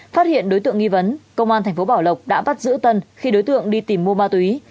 phát hiện đối tượng nghi vấn công an tp bảo lộc đã bắt giữ tân khi đối tượng đi tìm mua ma túy